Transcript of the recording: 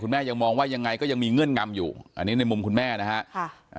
แม่ยังมองว่ายังไงก็ยังมีเงื่อนงำอยู่อันนี้ในมุมคุณแม่นะฮะ